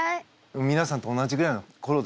皆さんと同じぐらいの頃ですよ